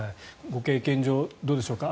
ご経験上どうでしょうか